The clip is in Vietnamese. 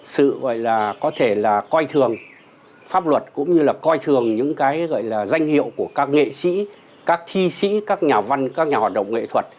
sự gọi là có thể là coi thường pháp luật cũng như là coi thường những cái gọi là danh hiệu của các nghệ sĩ các thi sĩ các nhà văn các nhà hoạt động nghệ thuật